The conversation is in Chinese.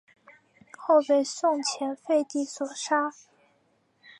后被宋前废帝所杀。